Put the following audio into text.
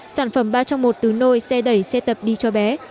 sản phẩm ba trong một từ nôi xe đẩy xe tập đi cho bé